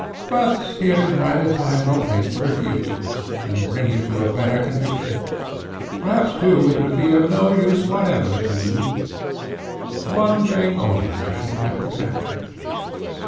But here is neither time nor place to refute you, and bring you to a better conviction; perhaps, too, it would be of no use whatever to you: one thing only I should like to explain."